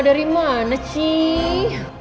dari mana sih